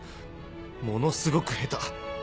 ものすごく下手！